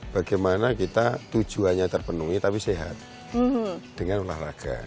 bagaimana kita tujuannya terpenuhi tapi sehat dengan olahraga